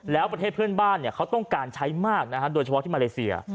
แล้วประเทศเพื่อนบ้านเขาต้องการใช้มากโดยเฉพาะที่มาเลเซีย